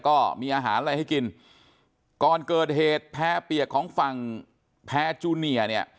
ก็มีอาหารอะไรให้กินก่อนเกิดเหตุแพ้เปียกของฝั่งแพรจูเนียเนี่ย